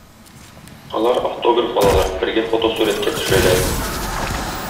Алар автограф алалар, бергә фотосурәткә төшәләр.